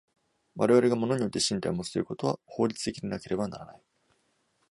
我々が物において身体をもつということは法律的でなければならない。